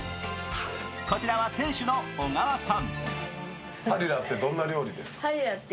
こちらは店主の小川さん。